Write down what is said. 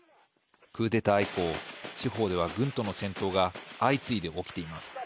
クーデター以降地方では軍との戦闘が相次いで起きています。